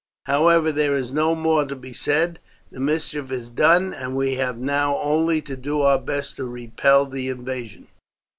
However, there is no more to be said, the mischief is done, and we have now only to do our best to repel the invasion.